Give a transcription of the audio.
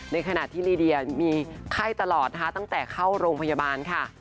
ในขณะที่ลีเดียมีไข้ตลอดนะคะตั้งแต่เข้าโรงพยาบาลค่ะ